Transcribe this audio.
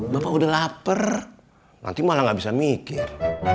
bapak udah lapar nanti malah gak bisa mikir